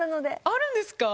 あるんですか？